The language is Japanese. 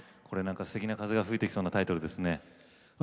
これなんかすてきな風が吹いてきそうなタイトルですね。